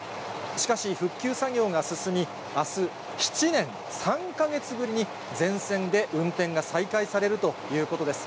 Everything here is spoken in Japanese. しかし復旧作業が進み、あす、７年３か月ぶりに全線で運転が再開されるということです。